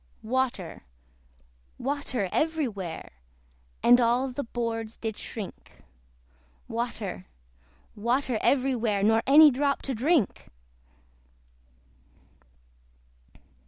Water, water, every where, And all the boards did shrink; Water, water, every where, Nor any drop to drink.